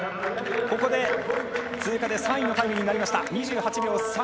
ここで通過で３位タイになりました。